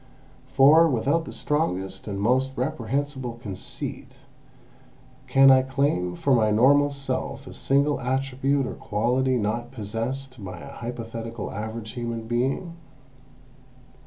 For, without the strongest and most reprehensible conceit, can I claim for my normal self a single attribute or quality not possessed by an hypothetical average human being?